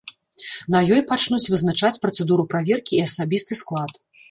На ёй пачнуць вызначаць працэдуру праверкі і асабісты склад.